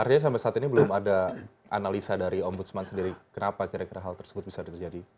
artinya sampai saat ini belum ada analisa dari ombudsman sendiri kenapa kira kira hal tersebut bisa terjadi